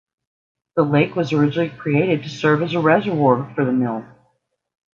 The lake was originally created to serve as a reservoir for a mill.